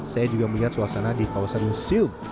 saya juga melihat suasana di kawasan yung silb